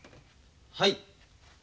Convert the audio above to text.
はい。